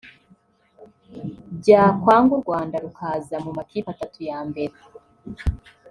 byakwanga u Rwanda rukaza mu makipe atatu ya mbere